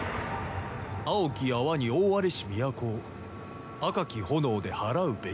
「青き泡に覆われし都を赤き炎ではらうべし」。